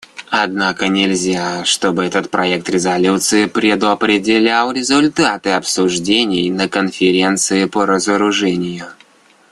Однако нельзя, чтобы этот проект резолюции предопределял результаты обсуждений на Конференции по разоружению.